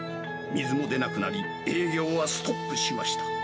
水も出なくなり、営業はストップしました。